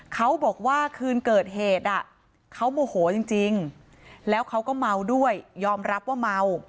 เขาบอกว่าคืนเกิดเหตุเขาโมโหจริงแล้วเขาก็เมาด้วยยอมรับว่าเมา